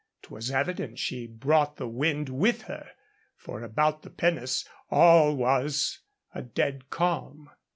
'Twas evident she brought the wind with her, for about the pinnace all was a dead calm.